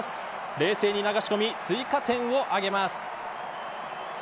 冷静に流し込み追加点をあげます。